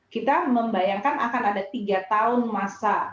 kita membayangkan akan ada tiga tahun masa